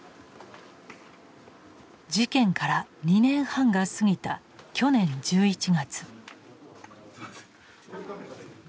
事件から２年半が過ぎた去年１１月。